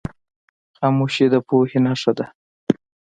خاموشي، د پوهې نښه ده.